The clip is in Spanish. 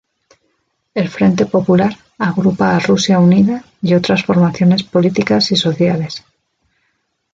El frente popular agrupa a Rusia Unida y otras formaciones políticas y sociales.